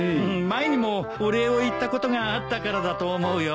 前にもお礼を言ったことがあったからだと思うよ。